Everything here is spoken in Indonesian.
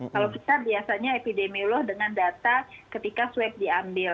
kalau kita biasanya epidemiolog dengan data ketika swab diambil